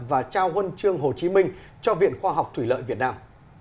và trao huân chương hồ chí minh cho viện khoa học thủy lợi việt nam